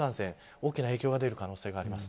大きな影響が出る可能性があります。